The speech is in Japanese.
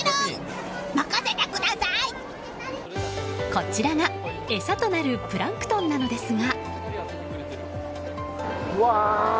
こちらが餌となるプランクトンなのですが。